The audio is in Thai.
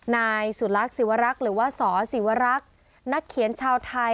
นายสุรักษศิวรักษ์หรือว่าสศิวรักษ์นักเขียนชาวไทย